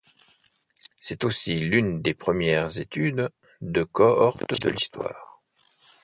C'est aussi l'une des premières étude de cohorte de l'histoire.